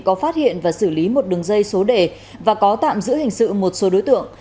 có phát hiện và xử lý một đường dây số đề và có tạm giữ hình sự một số đối tượng